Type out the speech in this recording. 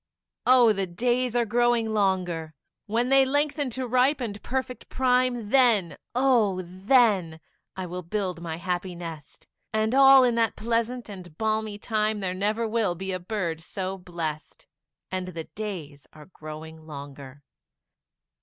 Oh, the days are growing longer; When they lengthen to ripe and perfect prime, Then, oh, then, I will build my happy nest; And all in that pleasant and balmy time, There never will be a bird so blest; And the days are growing longer.